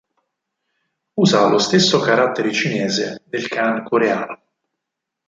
Usa lo stesso carattere cinese del kan coreano.